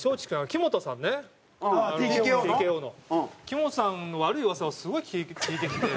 木本さんの悪い噂をすごい聞いてきて。